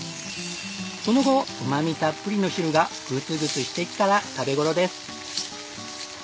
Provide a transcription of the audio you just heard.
その後うまみたっぷりの汁がグツグツしてきたら食べ頃です。